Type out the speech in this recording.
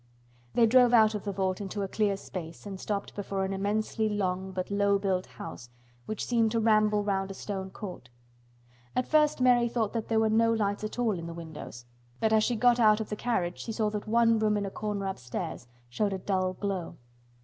They drove out of the vault into a clear space and stopped before an immensely long but low built house which seemed to ramble round a stone court. At first Mary thought that there were no lights at all in the windows, but as she got out of the carriage she saw that one room in a corner upstairs showed a dull glow.